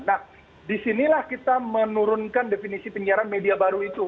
nah disinilah kita menurunkan definisi penyiaran media baru itu